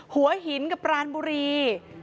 หัวหินกับปรานบุรี